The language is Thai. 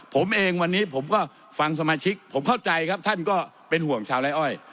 ผมเองวันนี้ผมก็ฟังสมาชิกผมเข้าใจครับท่านก็เป็นห่วงชาวไร้อ้อย